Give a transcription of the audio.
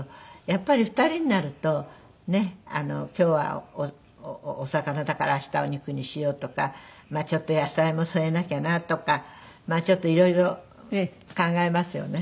やっぱり２人になるとねっ今日はお魚だから明日は肉にしようとかまあちょっと野菜も添えなきゃなとかまあちょっと色々考えますよね。